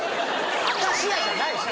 明石家じゃないでしょ。